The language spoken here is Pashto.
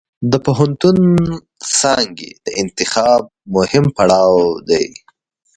د پوهنتون څانګې د انتخاب مهم پړاو دی.